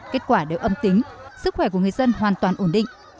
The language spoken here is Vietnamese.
kết quả đều âm tính sức khỏe của người dân hoàn toàn ổn định